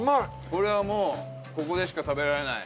これはもうここでしか食べられない。